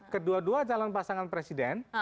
kedua dua calon pasangan presiden